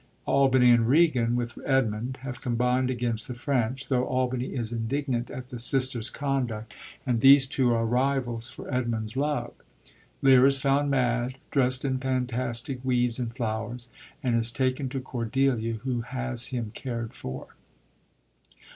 Albany and Regan (with Edmund) have combined against the French, tho' Albany is indignant at the sisters' conduct, and these two are rivals for Edmund's love. Lear is found mad, dressed in fantastic weeds and flowers, and is taken to Cordelia, who has him cared for.